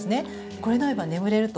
これがあれば眠れると。